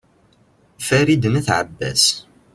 farid n at abbas